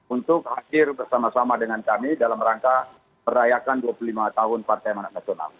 untuk hadir bersama sama dengan kami dalam rangka merayakan dua puluh lima tahun partai manat nasional